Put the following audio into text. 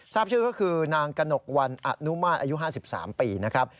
ทราบชื่อก็คือนางกระหนกวันอนุมาตรอายุ๕๓ปีนะครับ